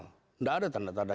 tidak ada tanda tanda